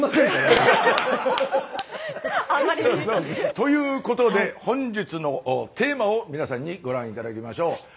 あんまり目立たない。ということで本日のテーマを皆さんにご覧頂きましょう。